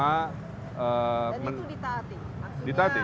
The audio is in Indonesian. dan itu ditaati